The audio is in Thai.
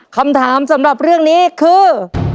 คำถามสำหรับเรื่องนี้คือ